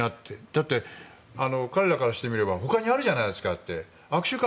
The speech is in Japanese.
だって彼らからしてみればほかにあるじゃないですかって握手会